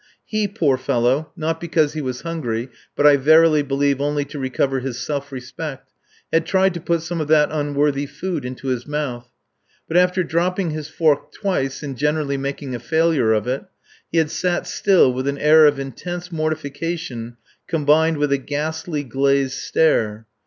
He, poor fellow, not because he was hungry but I verily believe only to recover his self respect, had tried to put some of that unworthy food into his mouth. But after dropping his fork twice and generally making a failure of it, he had sat still with an air of intense mortification combined with a ghastly glazed stare.